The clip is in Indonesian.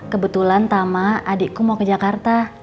kebetulan tama adikku mau ke jakarta